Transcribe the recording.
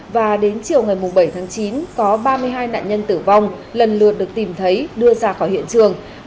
và đến chiều ngày bảy tháng chín có ba mươi hai nạn nhân tử vong lần lượt được tìm thấy đưa ra khỏi hiện trường